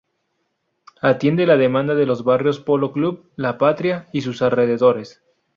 Atiende la demanda de los barrios Polo Club, La Patria y sus alrededores.